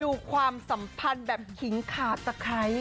ความสัมพันธ์แบบขิงขาตะไคร้